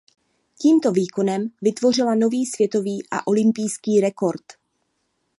Tímto výkonem vytvořila nový světový a olympijský rekord.